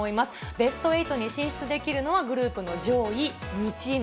ベストエイトに進出できるのはグループの上位２チーム。